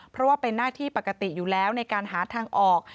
เพราะว่าเป็นหน้าที่ปกติอยู่แล้วในการหาทางออก